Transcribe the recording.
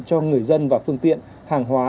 cho người dân và phương tiện hàng hóa